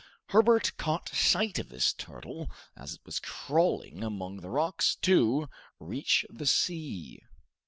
Herbert caught sight of this turtle as it was crawling among the rocks to reach the sea.